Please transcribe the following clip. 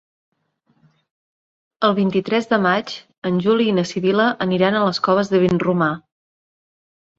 El vint-i-tres de maig en Juli i na Sibil·la aniran a les Coves de Vinromà.